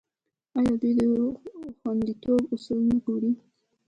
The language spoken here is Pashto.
آیا دوی د خوندیتوب اصول نه ګوري؟